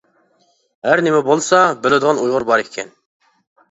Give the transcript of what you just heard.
ھەر نېمە بولسا بىلىدىغان ئۇيغۇر بار ئىكەن.